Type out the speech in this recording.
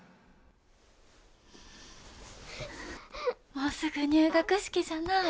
もうすぐ入学式じゃなあ。